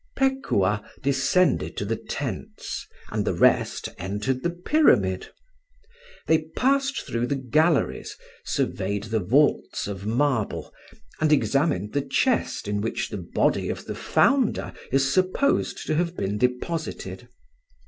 PEKUAH descended to the tents, and the rest entered the Pyramid. They passed through the galleries, surveyed the vaults of marble, and examined the chest in which the body of the founder is supposed to have been deposited.